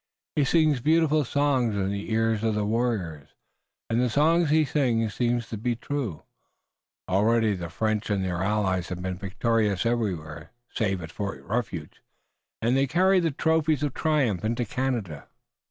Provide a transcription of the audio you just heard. He sings beautiful songs in the ears of the warriors, and the songs he sings seem to be true. Already the French and their allies have been victorious everywhere save at Fort Refuge, and they carry the trophies of triumph into Canada."